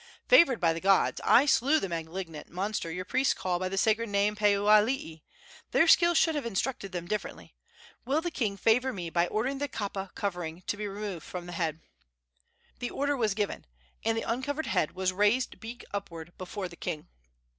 "Favored by the gods, I slew the malignant monster your priests call by the sacred name of Pueoalii. Their skill should have instructed them differently. Will the king favor me by ordering the kapa covering to be removed from the head?" The order was given, and the uncovered head was raised beak upward before the king.